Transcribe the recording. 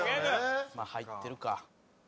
まあ入ってるか。